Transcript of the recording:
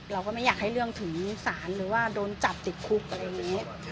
เราก็ไม่อยากให้เรื่องถึงศาลหรือว่าโดนจับติดคุกอะไรอย่างนี้